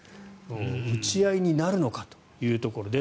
打ち合いになるのかというところです。